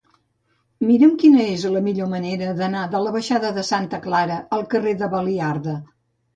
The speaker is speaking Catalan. Mira'm quina és la millor manera d'anar de la baixada de Santa Clara al carrer de Baliarda.